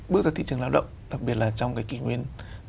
bước ra thị trường lao động đặc biệt là trong cái kỷ nguyên